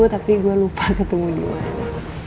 tapi gue lupa ketemu dia